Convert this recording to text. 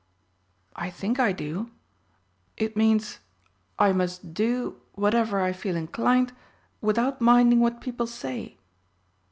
"I think I do. It means I must do whatever I feel inclined, without minding what people say.